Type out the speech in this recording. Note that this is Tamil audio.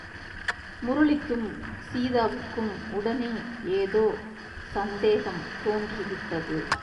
முரளிக்கும் சீதாவுக்கும் உடனே ஏதோ சந்தேகம் தோன்றிவிட்டது.